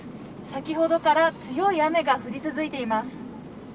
先ほどから強い雨が降り続いています。